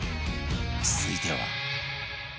続いては